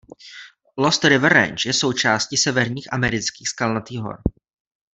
Lost River Range je součástí severních amerických Skalnatých hor.